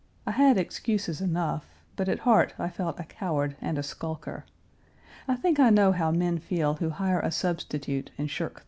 I had excuses enough, but at heart I felt a coward and a skulker. I think I know how men feel who hire a substitute and shirk the fight.